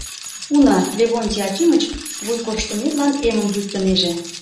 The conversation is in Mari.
Уна, Левонтий Акимыч вуй корштыметлан эмым йӱктынеже.